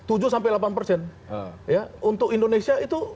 untuk indonesia itu